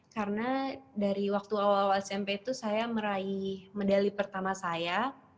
karena dari waktu awal awal smp itu saya meraih medali pertama saya